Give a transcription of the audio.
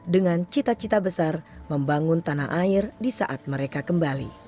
dengan cita cita besar membangun tanah air di saat mereka kembali